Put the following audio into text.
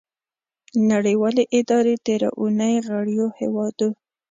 نړیوالې ادارې تیره اونۍ غړیو هیوادو